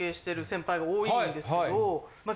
先輩多いんですけどま